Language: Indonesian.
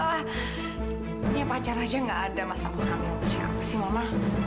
lah ini pacar aja nggak ada masa mengambil siapa sih mama